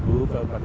ada sekitar empat